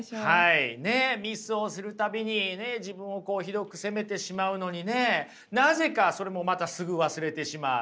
ミスをする度にね自分をひどく責めてしまうのにねなぜかそれもまたすぐ忘れてしまう。